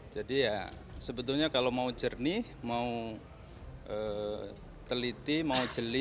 jadi ya sebetulnya kalau mau jernih mau teliti mau jelit